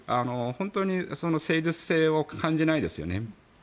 本当に誠実性を感じないですよね。